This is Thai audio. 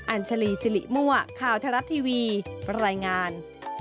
อัญชลีซิริม่วะข่าวทะลัดทีวีบรรยายงาน